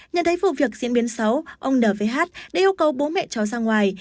nhận thấy vụ việc diễn biến xấu ông n v h đã yêu cầu bố mẹ cháu ra ngoài